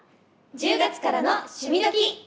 「１０月からの趣味どきっ！」。